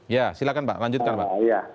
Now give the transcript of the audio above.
ya silahkan pak lanjutkan pak